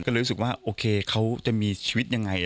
ก็เลยรู้สึกว่าโอเคเขาจะมีชีวิตยังไง